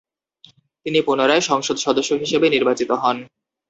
তিনি পুনরায় সংসদ সদস্য হিসেবে নির্বাচিত হন।